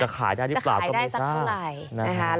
จะขายได้รึเปล่าจะขายได้สักเท่าไหร่